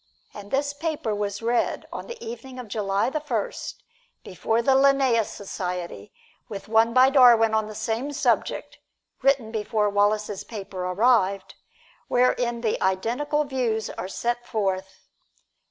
And this paper was read on the evening of July First, before the Linnæus Society, with one by Darwin on the same subject, written before Wallace's paper arrived, wherein the identical views are set forth.